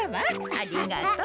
ありがとう。